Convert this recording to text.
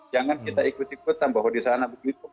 jangan kita ikuti ikuti bahwa di sana begitu